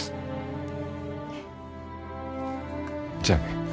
じゃあね。